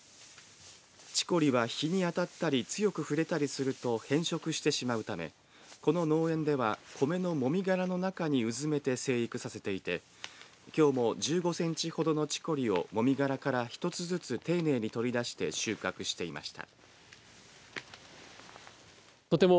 チコリは日に当たったり強く触れたりすると変色してしまうためこの農園では米のもみ殻の中に埋めて生育させていてきょうも１５センチほどのチコリをもみ殻から、１つずつ丁寧に取り出して収穫していました。